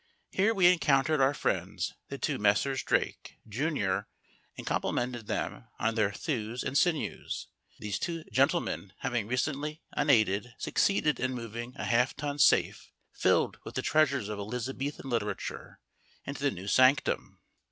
Here we encountered our friends the two Messrs. Drake, junior, and complimented them on their thews and sinews, these two gentlemen having recently, unaided, succeeded in moving a half ton safe, filled with the treasures of Elizabethan literature, into the new sanctum.